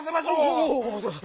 おおそうだ！